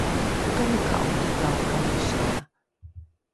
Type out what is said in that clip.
okaneka’o todhao kamosia?